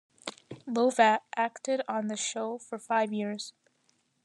Lovatt acted on the show for five years.